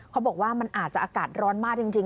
เขาบอกว่ามันอาจจะอากาศร้อนมากจริง